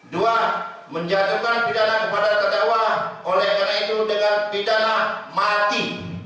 dua menjatuhkan pidana kepada terdakwa oleh karena itu dengan pidana mati